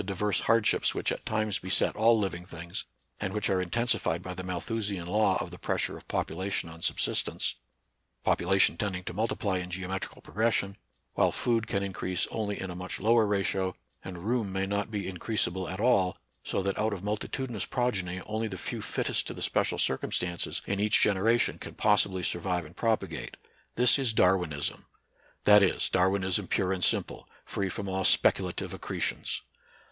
diverse hardships which at times beset all living things, and which are intensified by the Malthu sian law of the pressure of population on sub sistence, — population tending to multiply in geometrical progression, while food can increase only in a much lower ratio, and room may not be increasable at aU, so that out of multi tudinous progeny only the few fittest to the special circumstances in each generation can possibly survive and propagate, — this is Dar winism ; that is, Darwinism pure and simple, free from aU speculative accretions.